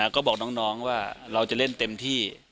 ก็บอกน้องว่าเราจะเล่นเต็มที่